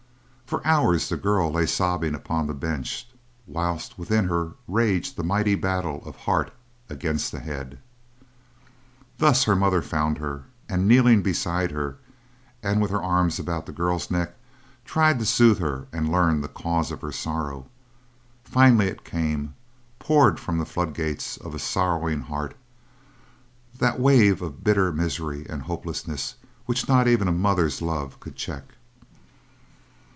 For hours the girl lay sobbing upon the bench, whilst within her raged the mighty battle of the heart against the head. Thus her mother found her, and kneeling beside her, and with her arms about the girl's neck, tried to soothe her and to learn the cause of her sorrow. Finally it came, poured from the flood gates of a sorrowing heart; that wave of bitter misery and hopelessness which not even a mother's love could check.